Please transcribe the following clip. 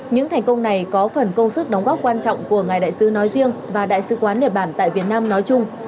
những thành công này có phần công sức đóng góp quan trọng của ngài đại sứ nói riêng và đại sứ quán nhật bản tại việt nam nói chung